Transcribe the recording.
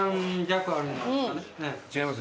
違います